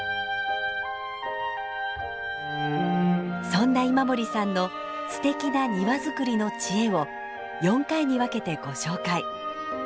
そんな今森さんのすてきな庭づくりの知恵を４回に分けてご紹介。